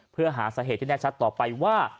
เพื่อหาสาเหตุที่แน่ชัดต่อไปว่า